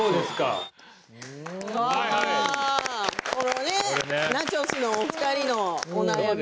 このナチョス。のお二人のお悩み